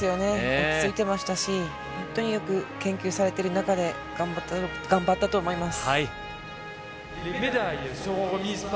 落ち着いてましたし、本当によく研究されてる中で頑張ったと思います。